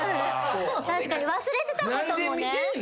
確かに忘れてたこともね。